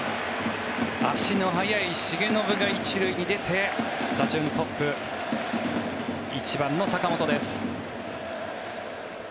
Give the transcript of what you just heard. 足の速い重信が１塁に出て打順トップ、１番の坂本です。